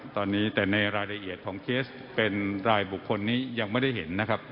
ตอนนี้แต่ในรายละเอียดของเคสเป็นรายบุคคลนี้ยังไม่ได้เห็นนะครับ